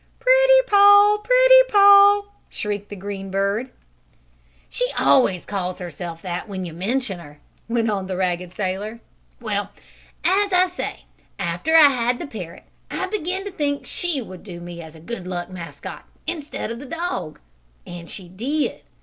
"Pretty Poll! Pretty Poll!" shrieked the green bird. "She always calls herself that when you mention her," went on the ragged sailor. "Well, as I say, after I had the parrot I began to think she would do me as a good luck mascot, instead of the dog, and she did.